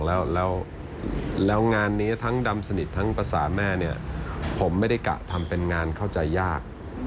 แล้วงานนี้ทั้งดำสนิททั้งภาษาแม่เนี่ยผมไม่ได้กะทำเป็นงานเข้าใจยาก